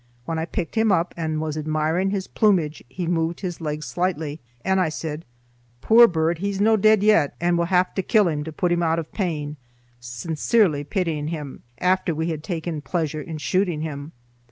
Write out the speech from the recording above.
When I picked him up and was admiring his plumage, he moved his legs slightly, and I said, "Poor bird, he's no deed yet and we'll hae to kill him to put him oot o' pain,"—sincerely pitying him, after we had taken pleasure in shooting him.